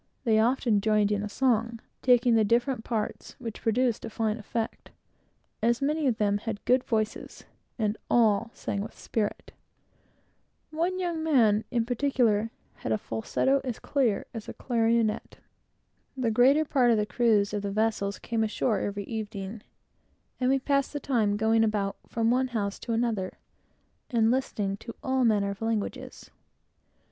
They often joined in a song, taking all the different parts; which produced a fine effect, as many of them had good voices, and all seemed to sing with spirit and feeling. One young man, in particular, had a falsetto as clear as a clarionet. The greater part of the crews of the vessels came ashore every evening, and we passed the time in going about from one house to another, and listening to all manner of languages.